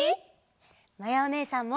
まやおねえさんも。